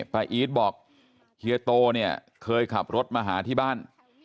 พระอีทบอกเฮียโตเคยขับรถมาหาที่บ้าน